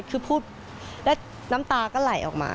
คือพูดแล้วน้ำตาก็ไหลออกมา